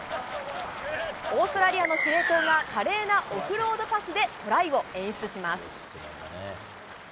オーストラリアの司令塔が華麗なオフロードパスでトライを演出します。